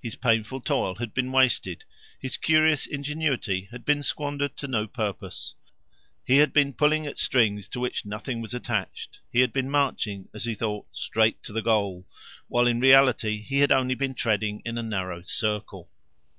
His painful toil had been wasted, his curious ingenuity had been squandered to no purpose. He had been pulling at strings to which nothing was attached; he had been marching, as he thought, straight to the goal, while in reality he had only been treading in a narrow circle.